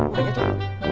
mày nhấc xe